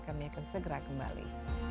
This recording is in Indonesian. kami akan segera kembali